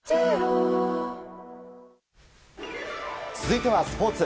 続いてはスポーツ。